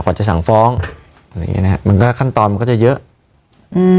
จะสั่งฟ้องอะไรอย่างเงี้นะฮะมันก็ขั้นตอนมันก็จะเยอะอืม